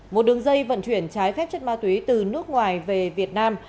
một đường dây vận chuyển trái phép chất ma túy từ nước ngoài về việt nam